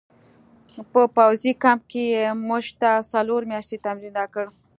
په پوځي کمپ کې یې موږ ته څلور میاشتې تمرین راکړ